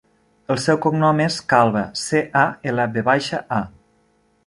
El seu cognom és Calva: ce, a, ela, ve baixa, a.